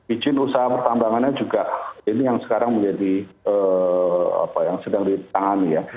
izin usaha pertambangannya juga ini yang sekarang menjadi apa yang sedang ditangani ya